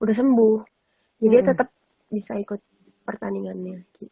udah sembuh jadi dia tetap bisa ikut pertandingannya